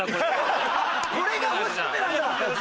これが欲しくてなんだ！